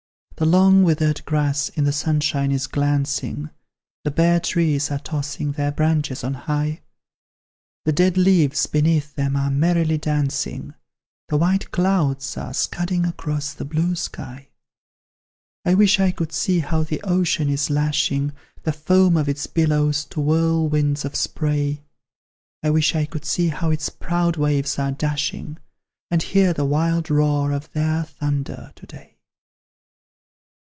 The long withered grass in the sunshine is glancing, The bare trees are tossing their branches on high; The dead leaves beneath them are merrily dancing, The white clouds are scudding across the blue sky I wish I could see how the ocean is lashing The foam of its billows to whirlwinds of spray; I wish I could see how its proud waves are dashing, And hear the wild roar of their thunder to day!